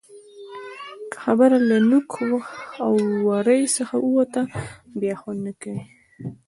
که خبره له نوک او ورۍ څخه ووته؛ بیا خوند نه کوي.